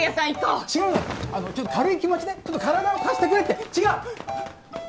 あのちょっと軽い気持ちねちょっと体を貸してくれって違う！